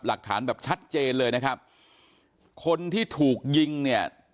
หลักฐานแบบชัดเจนเลยนะครับคนที่ถูกยิงเนี่ย